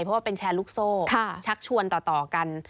เพราะว่าเป็นแชร์ลูกโซ่ชักชวนต่อกัน